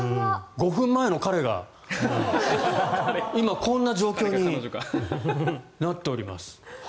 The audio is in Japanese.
５分前の彼が今こんな状況になっております。